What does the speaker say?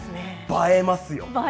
映えます。